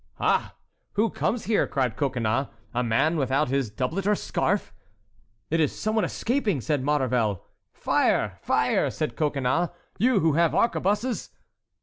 "Ah, who comes here?" cried Coconnas. "A man without his doublet or scarf!" "It is some one escaping," said Maurevel. "Fire! fire!" said Coconnas; "you who have arquebuses."